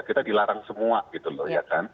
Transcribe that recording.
kita dilarang semua